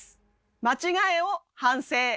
「『間違え』を反省」。